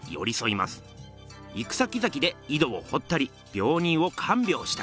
行くさきざきで井戸をほったりびょう人をかんびょうしたり。